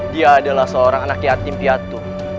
dia adalah seorang anak yatim piatu